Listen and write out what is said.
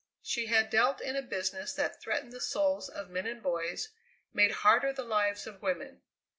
She had dealt in a business that threatened the souls of men and boys, made harder the lives of women.